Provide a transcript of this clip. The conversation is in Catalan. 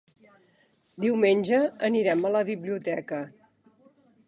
Diumenge anirem a la biblioteca.